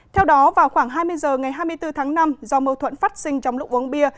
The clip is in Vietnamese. theo đó vào khoảng hai mươi h ngày hai mươi bốn tháng năm do mâu thuẫn phát sinh trong lúc uống bia